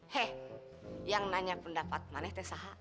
he yang nanya pendapat manis deh sahak